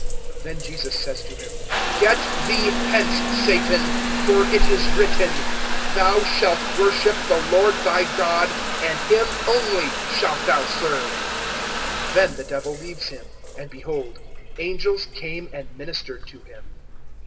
(10)Then Jesus says to him: Get thee hence, Satan; for it is written: Thou shalt worship the Lord thy God, and him only shalt thou serve. (11)Then the Devil leaves him; and behold, angels came and ministered to him.